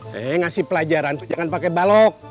hei ngasih pelajaran tuh jangan pake balok